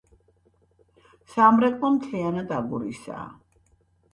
სამრეკლო მთლიანად აგურისაა.